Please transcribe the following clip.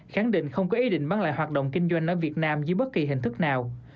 khẳng định không có ý định bán lại hoạt động kinh doanh ở việt nam dưới bất kỳ hình thức nào